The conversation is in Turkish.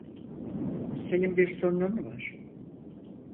Senin bir sorunun var.